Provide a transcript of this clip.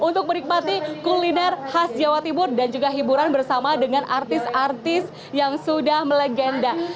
untuk menikmati kuliner khas jawa timur dan juga hiburan bersama dengan artis artis yang sudah melegenda